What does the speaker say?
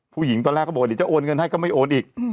ผู้หญิงตอนแรกก็บอกเด้าขอโอนเงินให้ก็ไม่โอนอีก